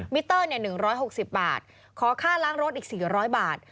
มิเตอร์๑๖๐บาทขอค่าล้างรถอีก๔๐๐บาท